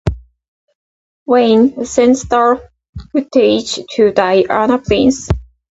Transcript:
Wayne sends the footage to Diana Prince.